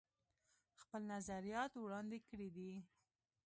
خپل نظريات وړاندې کړي دي